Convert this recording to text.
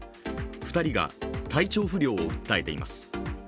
２人が体調不良を訴えています。